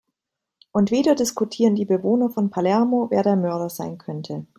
Und wieder diskutieren die Bewohner von Palermo, wer der Mörder sein könnte.